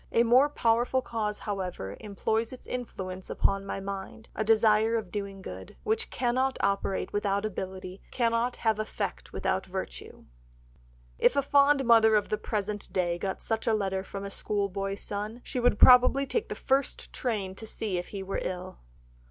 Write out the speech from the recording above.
A more powerful cause, however, employs its influence upon my mind, a desire of doing good, which cannot operate without ability, cannot have effect without virtue." If a fond mother of the present day got such a letter from a schoolboy son she would probably take the first train to see if he were ill!